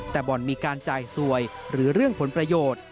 แต่บ่อนมีการจ่ายสวยหรือเรื่องผลประโยชน์